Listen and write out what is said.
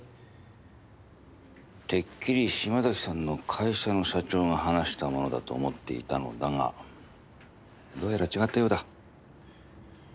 てっきり島崎さんの会社の社長が話したものだと思っていたのだがどうやら違ったようだ。